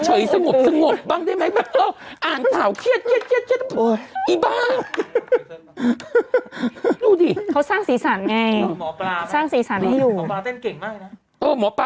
เขาสร้างสีสันไงสร้างสีสันให้อยู่หมอปลาเต้นเก่งมากนะหมอปลา